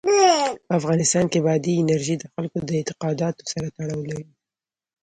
په افغانستان کې بادي انرژي د خلکو د اعتقاداتو سره تړاو لري.